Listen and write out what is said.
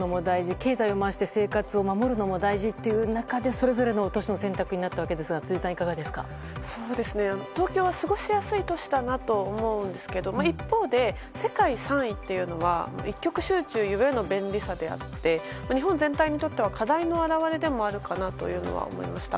経済を回して生活を守るのも大事という中でそれぞれの都市の選択になったわけですが東京は過ごしやすい都市だなと思うんですが一方で世界３位っていうのは一極集中ゆえの便利さであって日本全体にとっては課題の表れでもあるかなとは思いました。